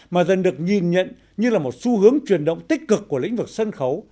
mà dần được nhìn nhận như là một xu hướng truyền động tích cực của lĩnh vực sân khấu